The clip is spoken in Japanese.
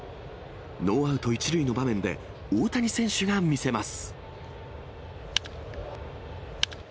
ノーアウト１塁の場面で、大谷選手が見せます。